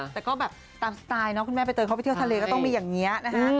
แต่ก็แบบตามสไตล์เนาะคุณแม่ใบเตยเขาไปเที่ยวทะเลก็ต้องมีอย่างนี้นะฮะ